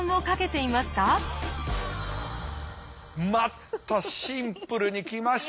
またシンプルに来ました。